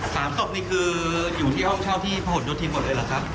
สามศพนี่คืออยู่ที่ห้องเช่าที่พระหลโยธินหมดเลยเหรอครับ